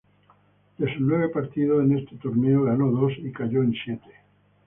De sus nueve partidos en este torneo, ganó dos y cayó en siete.